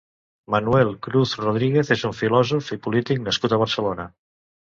Manuel Cruz Rodríguez és un filòsof i polític nascut a Barcelona.